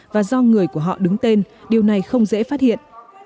và do người của họ đứng tên điều này không dễ phát hiện